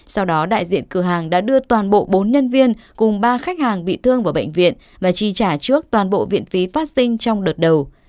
sau đó đại diện cửa hàng đã đưa toàn bộ bốn nhân viên cùng ba khách hàng bị thương vào bệnh viện và chi trả trước toàn bộ viện phí phát sinh trong đợt đầu